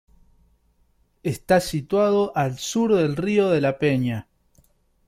Está situado al sur del río de la Peña.